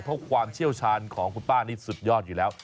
เพราะความเชี่ยวชาญของคุณป้านี่สุดยอดอยู่แล้ว